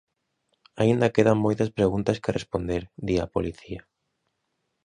Aínda quedan moitas preguntas que responder, di a policía.